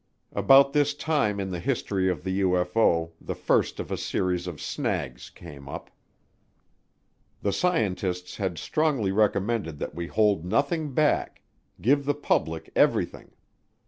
About this time in the history of the UFO the first of a series of snags came up. The scientists had strongly recommended that we hold nothing back give the public everything.